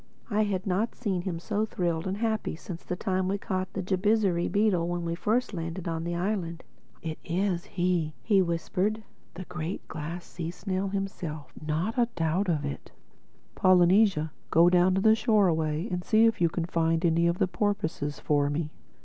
I had not seen him so thrilled and happy since the time we caught the Jabizri beetle when we first landed on the island. "It is he!" he whispered—"the Great Glass Sea snail himself—not a doubt of it. Polynesia, go down the shore away and see if you can find any of the porpoises for me.